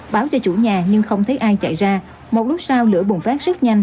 báo cho chủ nhà nhưng không thấy ai chạy ra một lúc sau lửa bùng phát rất nhanh